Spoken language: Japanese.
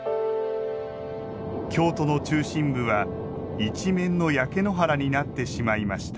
京都の中心部は一面の焼け野原になってしまいました。